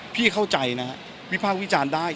พี่เข้าใจนะฮะวิพากษ์วิจารณ์ได้